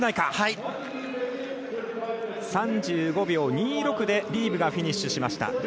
３５秒２６でリーブがフィニッシュしました。